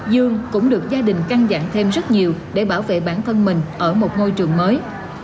dương cũng được gia đình căng dặn thêm rất nhiều để bảo vệ bản thân mình ở một ngôi trường mới